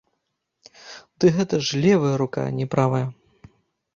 Ды гэта ж левая рука, а не правая.